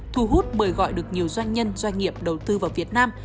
thu hút mời gọi được nhiều doanh nhân doanh nghiệp đầu tư vào việt nam